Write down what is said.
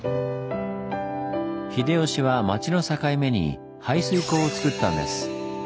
秀吉は町の境目に排水溝をつくったんです。